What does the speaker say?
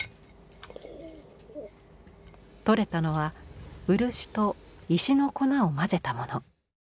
取れたのは漆と石の粉を混ぜたもの。